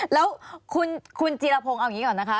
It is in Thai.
แล้วคุณจีรพงศ์เอาอย่างนี้ก่อนนะคะ